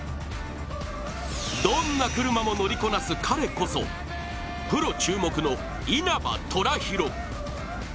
どんな車も乗りこなす彼こそプロ注目の稲葉虎大。